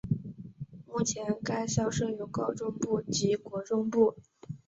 目前该校设有高中部及国中部。